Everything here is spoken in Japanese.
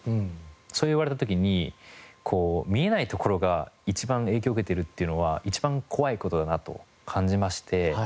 そう言われた時に見えない所が一番影響を受けているというのは一番怖い事だなと感じまして。